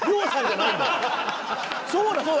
そうだそうだ。